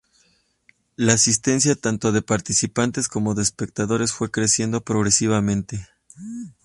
La asistencia tanto de participantes como de espectadores fue creciendo progresivamente.